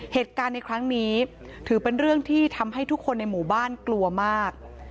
เหตุการณ์ในครั้งนี้ถือเป็นเรื่องที่ทำให้ทุกคนในหมู่บ้านกลัวมาก